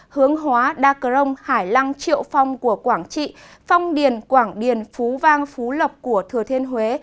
hướng hóa đa cờ rông hải lăng triệu phong của quảng trị phong điền quảng điền phú vang phú lập của thừa thiên huế